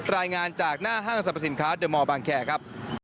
รายงานจากหน้าห้างสรรพสินค้าเดอร์มอลบางแคร์ครับ